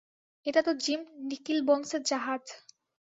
এটা তো জিম নিকিলবোন্সের জাহাজ।